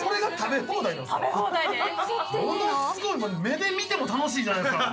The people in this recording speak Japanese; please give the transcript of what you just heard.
目で見ても楽しいじゃないですか。